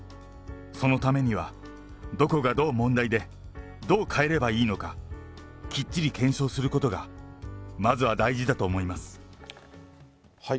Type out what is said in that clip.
そのためには、どこがどう問題でどう変えればいいのか、きっちり検証することがまずは大事だと思います。